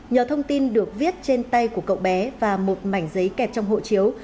nhờ thông tin được viết trên tay của cậu bé và một mảnh giấy kẹp trong hộ chiếu